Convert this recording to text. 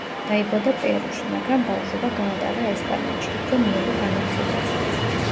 დაიბადა პერუში, მაგრამ ბავშვობა გაატარა ესპანეთში, იქვე მიიღო განათლებაც.